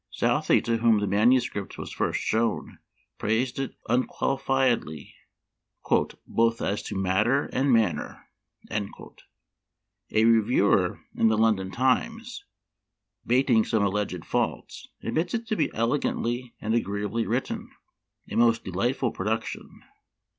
Southey to whom the manuscript was first shown, praised it unqualifiedly " both as to matter and manner." A reviewer in the London Times, bating some alleged faults, ad mits it to be elegantly and agreeably written — a most delightful production.